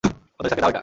অজয় স্যারকে দাও এটা।